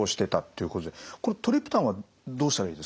これトリプタンはどうしたらいいですか？